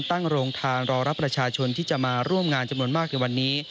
ตั้งโรงทานรอรับประชาชนที่จะมาร่วมงานจำนวนมากในวันนี้